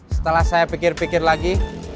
setelah saya pikir pikir lagi